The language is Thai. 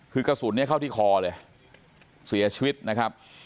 คือกระสุนเนี่ยเข้าที่คอเลยเสียชีวิตนะครับ